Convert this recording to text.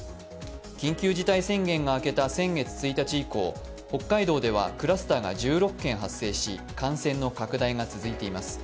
緊急事態宣言が開けた先月１日移行、北海道ではクラスターが１６件発生し感染の拡大が続いています。